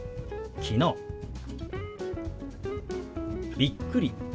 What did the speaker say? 「びっくり」。